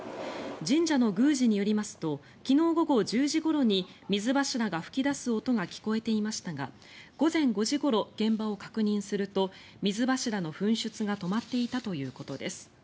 神社の宮司によりますと昨日午後１０時ごろに水柱が噴き出す音が聞こえていましたが午前５時ごろ、現場を確認すると水柱の噴出が止まっていたということです。